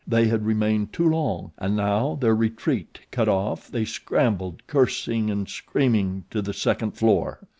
They had remained too long and now, their retreat cut off, they scrambled, cursing and screaming, to the second floor.